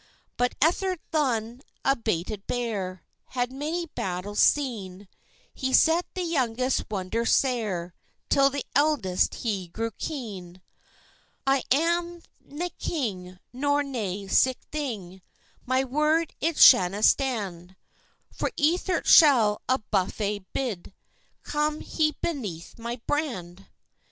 But Ethert Lunn, a baited bear, Had many battles seen; He set the youngest wonder sair, Till the eldest he grew keen. "I am nae king, nor nae sic thing: My word it shanna stand! For Ethert shall a buffet bide, Come he beneath my brand."